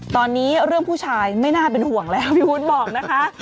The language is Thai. ตอนนี้เรื่องผู้ชายไม่น่าเป็นห่วงแล้วพี่วุ้นบอกนะคะ